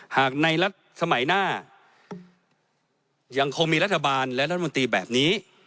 หากในสมัยหน้ายังคงมีรัฐบาลและรัฐมนตรีแบบนี้